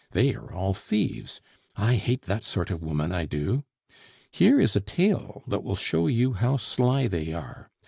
They are all thieves; I hate that sort of woman, I do. Here is a tale that will show you how sly they are.